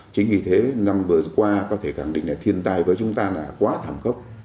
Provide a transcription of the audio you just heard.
chính vì thế năm vừa qua có thể khẳng định là thiên tai với chúng ta là quá thảm khốc